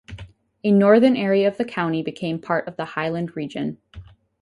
A northern area of the county became part of the Highland region.